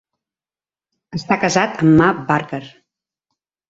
Està casat amb Ma Barker.